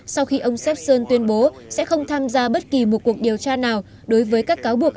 sau khi ông sabson tuyên bố sẽ không tham gia bất kỳ một cuộc điều tra nào đối với các cáo buộc